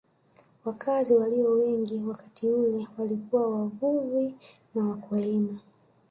Wakazi walio wengi wakati ule walikuwa wavuvi na wakulima